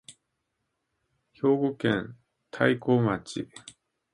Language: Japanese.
兵庫県太子町